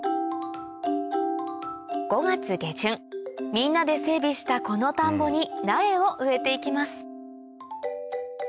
みんなで整備したこの田んぼに苗を植えていきます